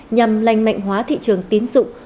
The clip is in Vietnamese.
nhằm lành mạnh hóa thị trường tín dụng